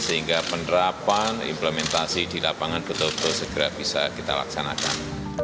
sehingga penerapan implementasi di lapangan betul betul segera bisa kita laksanakan